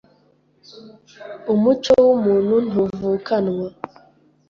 Umuco w’umuntu ntuvukanwa